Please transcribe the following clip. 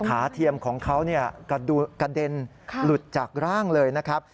เทียมของเขากระเด็นหลุดจากร่างเลยนะครับ